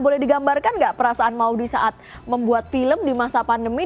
boleh digambarkan nggak perasaan maudi saat membuat film di masa pandemi